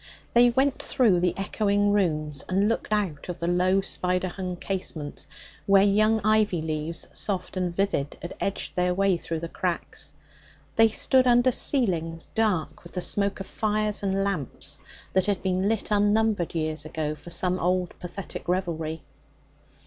They went through the echoing rooms, and looked out of the low, spider hung casements, where young ivy leaves, soft and vivid, had edged their way through the cracks. They stood under ceilings dark with the smoke of fires and lamps that had been lit unnumbered years ago for some old pathetic revelry.